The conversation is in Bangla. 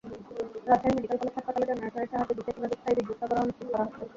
রাজশাহী মেডিকেল কলেজ হাসপাতালে জেনারেটরের সাহায্যে বিশেষ ব্যবস্থায় বিদ্যুৎ সরবরাহ নিশ্চিত করা হচ্ছে।